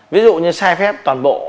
ví dụ như sai phép toàn bộ